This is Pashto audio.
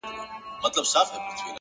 د حقیقت رڼا شکونه کموي.